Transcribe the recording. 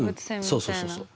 そうそうそうそう。